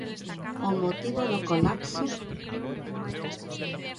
O motivo do colapso?